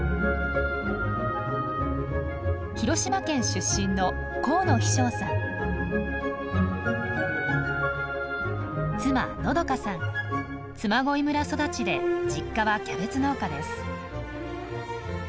広島県出身の嬬恋村育ちで実家はキャベツ農家です。